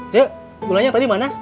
cik gulanya tadi mana